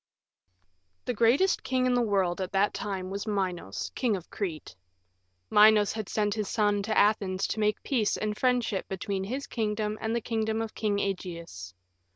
II The greatest king in the world at that time was Minos, King of Crete. Minos had sent his son to Athens to make peace and friendship between his kingdom and the kingdom of King Ægeus.